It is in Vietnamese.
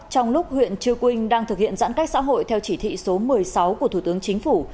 trong lúc huyện chư quynh đang thực hiện giãn cách xã hội theo chỉ thị số một mươi sáu của thủ tướng chính phủ